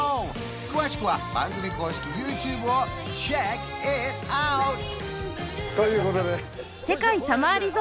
詳しくは番組公式ＹｏｕＴｕｂｅをｃｈｅｃｋｉｔｏｕｔ！